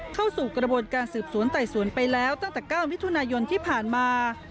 เข้าสู่กระบวนการสืบสวนไต่สวนไปแล้วตั้งแต่๙มิถุนายนที่ผ่านมา